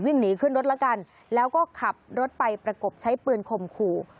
วิ่งหนีขึ้นรถแล้วกันแล้วก็ขับรถไปประกบใช้ปืนข่มขู่